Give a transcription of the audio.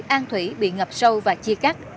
an thủy bị ngập sâu và chia cắt